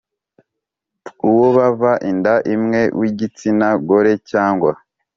Uwo bava inda imwe w igitsina gore cyangwa